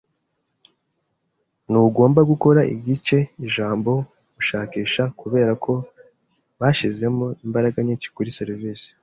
Ntugomba gukora igice-ijambo gushakisha, kubera ko bashizemo imbaraga nyinshi kuri seriveri.